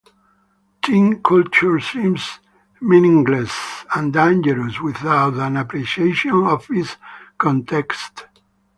Teen culture seems meaningless and dangerous without an appreciation of its context.